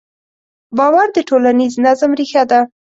باور د ټولنیز نظم ریښه ده.